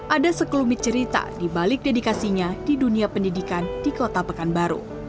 ada sekelumit cerita di balik dedikasinya di dunia pendidikan di kota pekanbaru